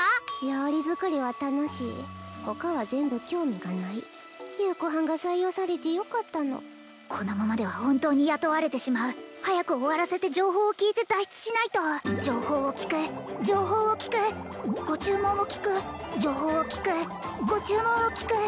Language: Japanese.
料理作りは楽しい他は全部興味がない優子はんが採用されてよかったのこのままでは本当に雇われてしまう早く終わらせて情報を聞いて脱出しないと情報を聞く情報を聞くご注文を聞く情報を聞くご注文を聞く